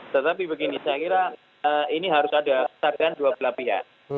tetapi begini saya kira ini harus ada kesadaran dua belah pihak